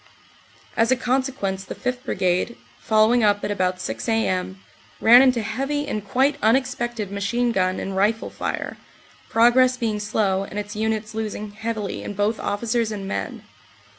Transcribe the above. As a consequence the 5th. Brigade, following up at about 6 a.m., ran into heavy and quite unexpected machine gun and rifle fire, progress being slow and its units losing heavilv in both officers and men.